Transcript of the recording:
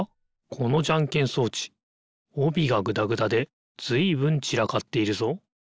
このじゃんけん装置おびがぐだぐだでずいぶんちらかっているぞ。